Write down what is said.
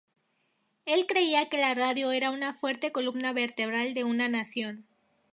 Él creía que la radio era una fuerte columna vertebral de una nación.